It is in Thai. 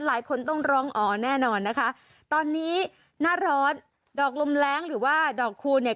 หลายคนต้องร้องอ๋อแน่นอนนะคะตอนนี้หน้าร้อนดอกลมแรงหรือว่าดอกคูณเนี่ย